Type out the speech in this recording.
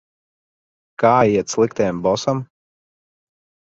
Kā iet sliktajam bosam?